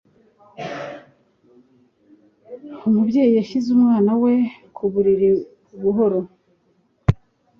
Umubyeyi yashyize umwana we ku buriri buhoro